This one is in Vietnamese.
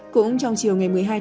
cũng trong chiều một mươi hai ba